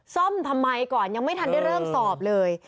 ซ่อมทำไมก่อนยังไม่ทันได้เริ่มสอบเลย